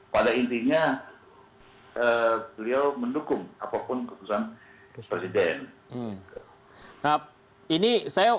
pada intinya beliau mendukung apapun keputusan presiden